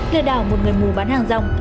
lê đảo một người mù bán hàng dòng